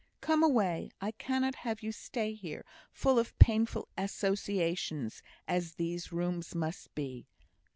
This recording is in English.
"Come away; I cannot have you stay here, full of painful associations as these rooms must be.